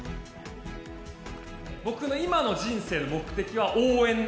僕の今の人生の目的は、応援。